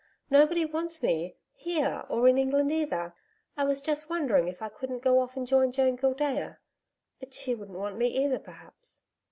Nobody wants me here or in England either. I was just wondering if I couldn't go off and join Joan Gildea.... But she wouldn't want me either, perhaps.'